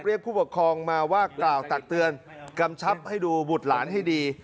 ผู้ปกครองมาว่ากล่าวตักเตือนกำชับให้ดูบุตรหลานให้ดี